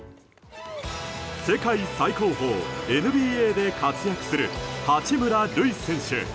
世界最高峰ＮＢＡで活躍する八村塁選手。